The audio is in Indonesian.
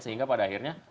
sehingga pada akhirnya